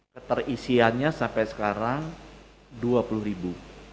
keterisiannya sampai sekarang dua puluh ribu